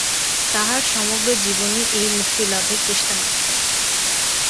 তাহার সমগ্র জীবনই এই মুক্তিলাভের চেষ্টা মাত্র।